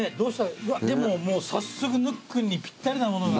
でももう早速ぬっくんにぴったりなものが。